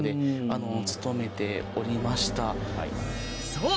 そう！